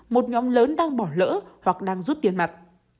một nhóm lớn đang bỏ lỡ hoặc đang rút tiền mặt